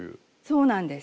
そうなんです。